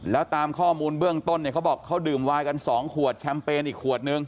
แล้วตามข้อมูลเบื้องต้นเนี่ยเขาบอกเขาดื่มวายกัน๒ขวดแชมเปญอีกขวดนึง